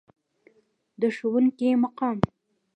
د ښوونکي مقام.